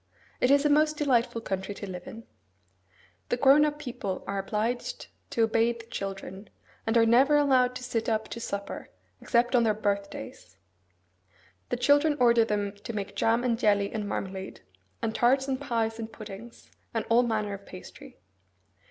It is a most delightful country to live in. The grown up people are obliged to obey the children, and are never allowed to sit up to supper, except on their birthdays. The children order them to make jam and jelly and marmalade, and tarts and pies and puddings, and all manner of pastry.